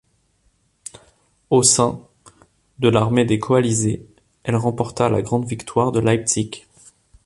Au sein, de l’armée des Coalisés, elle remporta la grande victoire de Leipzig.